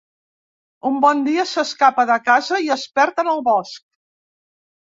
Un bon dia s'escapa de casa i es perd en el bosc.